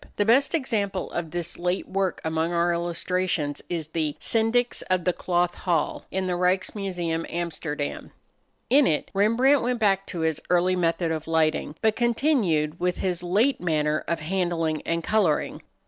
The best example of this late work among our illustrations is the "Syndics of the Cloth Hall," in the Ryks Museum, Amsterdam. In it Rembrandt went back to his early method of lighting, but continued with his late manner of handling and coloring.